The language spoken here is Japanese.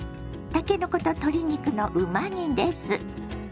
たけのこと鶏肉のうま煮です。